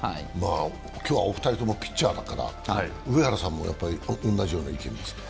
今日はお二人ともピッチャーだから、上原さんも同じような意見ですか？